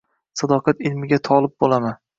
Sadoqat ilmiga tolib bo‘laman